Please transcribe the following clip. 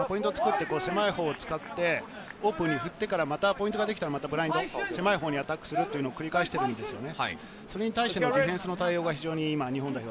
狭いほうを使ってオープンに振ってからまたポイントができたらブラインド、狭いところにアタックするということを繰り返しているんですね。